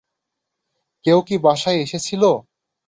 কেউ কী বাসায় এসেছিলো?